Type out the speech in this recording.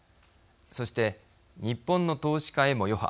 そして日本の投資家へも余波